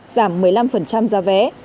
giảm một mươi năm giá vé